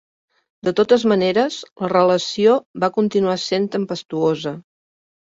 De totes maneres, la relació va continuar sent tempestuosa.